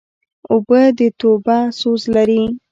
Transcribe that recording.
اوبه د توبه سوز لري.